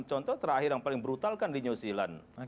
contoh terakhir yang paling brutal kan di new zealand